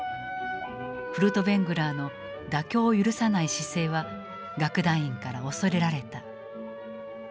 フルトヴェングラーの妥協を許さない姿勢は楽団員から恐れられた。